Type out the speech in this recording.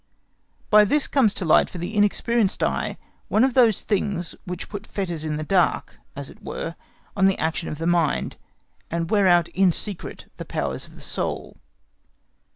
By this comes to light for the inexperienced eye one of those things which put fetters in the dark, as it were, on the action of the mind, and wear out in secret the powers of the soul.